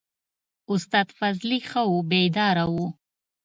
استاد فضلي ښه وو بیداره و.